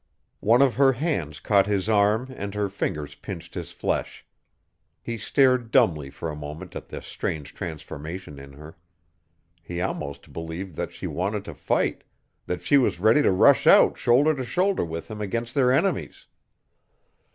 One of her hands caught his arm and her fingers pinched his flesh. He stared dumbly for a moment at the strange transformation in her. He almost believed that she wanted to fight that she was ready to rush out shoulder to shoulder with him against their enemies.